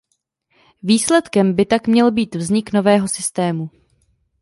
Výsledkem by tak měl být vznik nového systému.